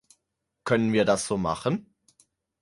Können wir das so machen?